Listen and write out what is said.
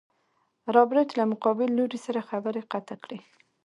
رابرټ له مقابل لوري سره خبرې قطع کړې.